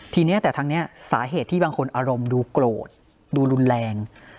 ทีนี้แต่ทางนี้สาเหตุที่บางคนอารมณ์ดูโกรธดูรุนแรง